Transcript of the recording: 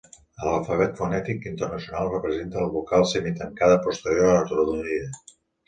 A l'alfabet fonètic internacional representa la vocal semitancada posterior arrodonida.